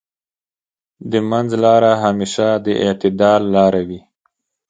د منځ لاره همېش د اعتدال لاره وي.